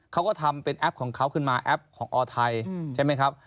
เขาก็ทำเป็นแอปของเขาขึ้นมาแอปของออไทยใช่ไหมครับ